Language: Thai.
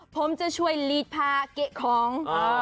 ผมจะช่วยลีดผ้าเกะของ